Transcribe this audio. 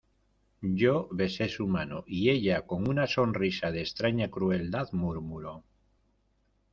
yo besé su mano, y ella , con una sonrisa de extraña crueldad , murmuró: